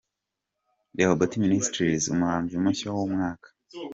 Rehoboth Ministries Umuhanzi mushya w’umwaka a.